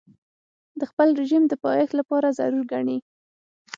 د خپل رژیم د پایښت لپاره ضرور ګڼي.